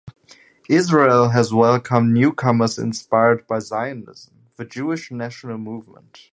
Israel has welcomed newcomers inspired by Zionism, the Jewish national movement.